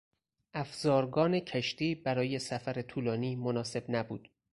افزارگان کشتی برای سفر طولانی مناسب نبود.